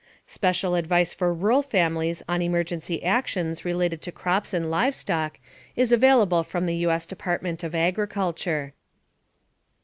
Special advice for rural families on emergency actions related to crops and livestock is available from the U.S. Department of Agriculture.